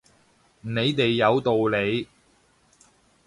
你哋有道理